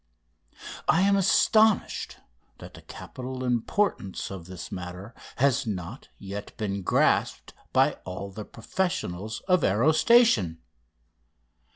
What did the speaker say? "I am astonished that the capital importance of this matter has not yet been grasped by all the professionals of aerostation.